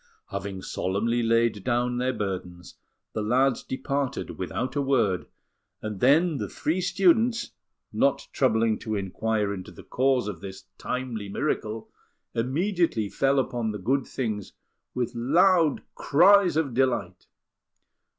Having solemnly laid down their burdens, the lads departed without a word; and then the three students, not troubling to inquire into the cause of this timely miracle, immediately fell upon the good things with loud cries of delight.